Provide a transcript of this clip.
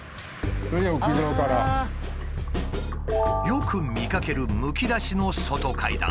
よく見かけるむき出しの外階段。